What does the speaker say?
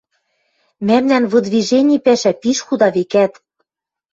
Мӓмнӓн выдвижени пӓшӓ пиш худа, векӓт...